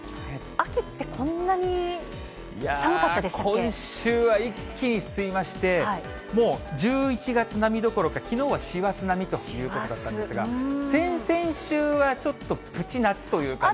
秋ってこんなに寒かったでしいや、今週は一気に進みまして、もう１１月並みどころか、きのうは師走並みということだったんですが、先々週はちょっとプチ夏というかね。